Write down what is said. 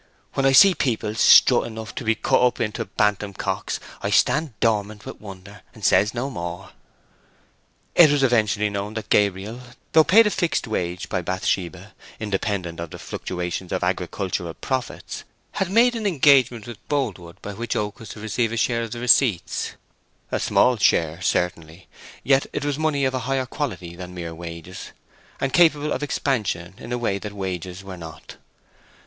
When I see people strut enough to be cut up into bantam cocks, I stand dormant with wonder, and says no more!" It was eventually known that Gabriel, though paid a fixed wage by Bathsheba independent of the fluctuations of agricultural profits, had made an engagement with Boldwood by which Oak was to receive a share of the receipts—a small share certainly, yet it was money of a higher quality than mere wages, and capable of expansion in a way that wages were not.